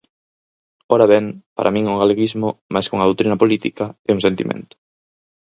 Ora ben, para min o galeguismo, máis que unha doutrina política, é un sentimento.